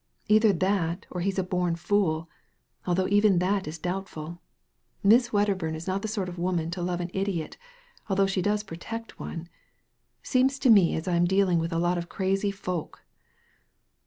Either that or he*s a born fool, although even that is doubtful Miss Wedderburn is not the sort of woman to love an idiot, although she does protect one. Seems to me as I'm dealing with a lot of crazy folk."